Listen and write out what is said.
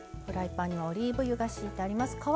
フライパンにオリーブ油がしいてあります。